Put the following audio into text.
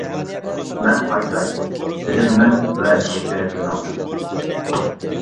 -مەن قايتاي، -دېدىم مەن ۋە ئىشىك تەرەپكە ماڭدىم.